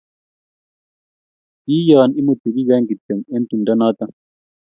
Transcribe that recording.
Ki yonun imutu biik oeng' kityo eng' tumdo noto